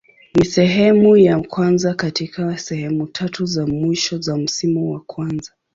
Ni sehemu ya kwanza katika sehemu tatu za mwisho za msimu wa kwanza.